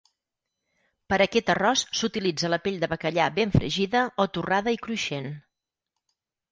Per aquest arròs s'utilitza la pell de bacallà ben fregida o torrada i cruixent.